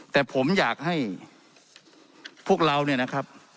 แต่ผมอยากให้พวกเราเนี่ยนะครับ